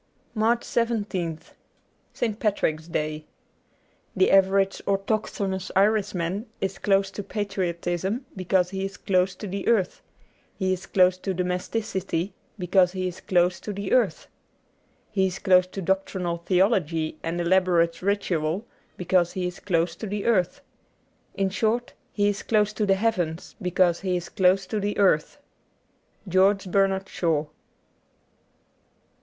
^ 82 MARCH 17th ST. PATRICK'S DAY THE average autochthonous Irishman is close to patriotism because he is close to the earth ; he is close to domesticity because he is close to the earth ; he is close to doctrinal theology and elaborate ritual because he is close to the earth. In short, he is close to the heavens because he is close to the earth. ' George Bernard Shaw.''